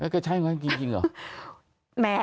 ก็ใช่อย่างนั้นจริงหรอ